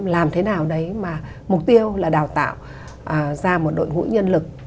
làm thế nào đấy mà mục tiêu là đào tạo ra một đội ngũ nhân lực